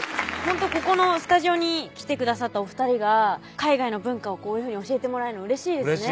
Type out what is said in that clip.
ここのスタジオに来てくださったお２人が海外の文化をこういうふうに教えてもらえるのうれしいですね